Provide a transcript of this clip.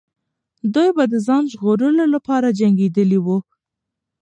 دوی به د ځان ژغورلو لپاره جنګېدلې وو.